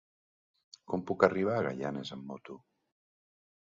Com puc arribar a Gaianes amb moto?